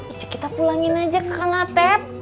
icu kita pulangin aja ke kangatep